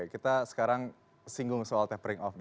kita sekarang singgung soal tapering off